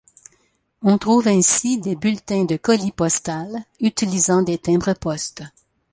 On trouve ainsi des bulletins de colis-postal utilisant des timbres-poste.